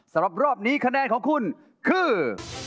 สำหรับรอบนี้คะแนนของคุณคือ